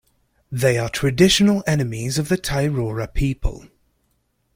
They are traditional enemies of the Tairora people.